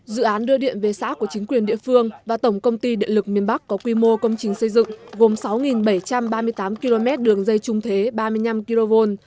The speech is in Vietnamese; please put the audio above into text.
dự án đưa điện về xã của chính quyền địa phương và tổng công ty điện lực miền bắc có quy mô công trình xây dựng gồm sáu bảy trăm ba mươi tám km đường dây trung thế ba mươi năm kv